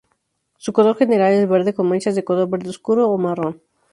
Su color general es verde con manchas de color verde oscuro o marrón.